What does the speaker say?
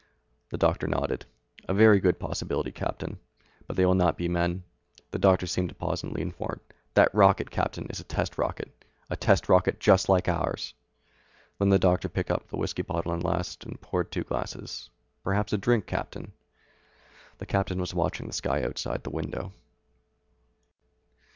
The doctor nodded. "A very good possibility, Captain, but they will not be men." The doctor seemed to pause and lean forward. "That rocket, Captain, is a test rocket. A test rocket just like ours!" Then the doctor picked up his whiskey bottle at last and poured two glasses. "Perhaps a drink, Captain?" The captain was watching the sky outside the window.